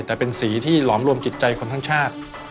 แต่เป็นสีที่หลอมรวมจิตใจคนทั้งชาติ